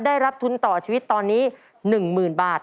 ได้รับทุนต่อชีวิตตอนนี้๑๐๐๐บาท